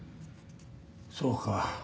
そうか。